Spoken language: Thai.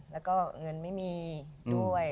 แล้วก็เงินไม่มีด้วย